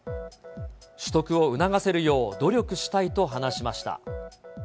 取得を促せるよう努力したいと話しました。